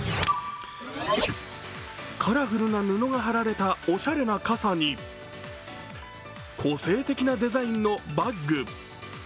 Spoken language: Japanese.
カラフルな布が張られたおしゃれな傘に個性的なデザインのバッグ。